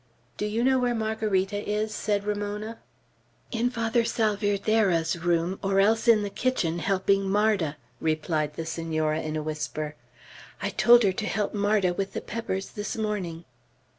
"Do you know where Margarita is?" said Ramona. "In Father Salvierderra's room, or else in the kitchen helping Marda," replied the Senora, in a whisper. "I told her to help Marda with the peppers this morning."